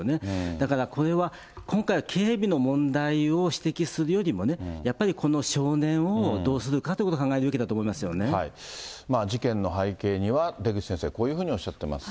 だからこれは、今回は警備の問題を指摘するよりも、やっぱりこの少年をどうするかということを考えるべきだと思いま事件の背景には、出口先生、こういうふうにおっしゃっています。